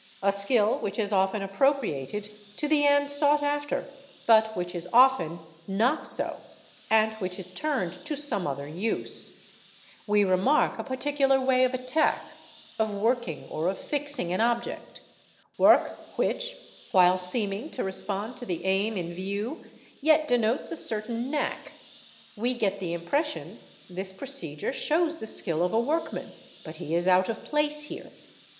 a skill which is often appropria 4 ted to the end sought after but which is often not so and which is turned to some other use; we remark a particular way of attack, of working, or of fixing an object, work which while seeming to respond to the aim in view yet denotes a certain knack ; we get the impression—this | 90 714 THEFT procedure shows the skill of a workman, but he is out of place here.